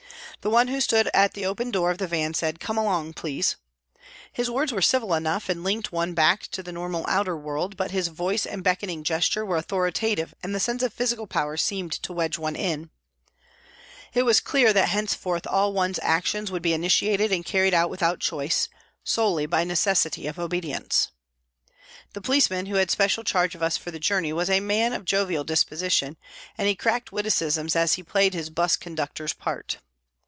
The one who stood at the open door of the van said, " Come along, please." His words were civil enough and linked one back to the normal outer world, but his voice and beckoning gesture were authoritative and the sense of physical power seemed to wedge x>ne in. 64 PRISONS AND PRISONERS It was clear that henceforth all one's actions would be initiated and carried out without choice, solely by necessity of obedience. The policeman who had special charge of us for the journey was a man of jovial disposition, and he cracked witticisms as he played his 'bus conductor's part.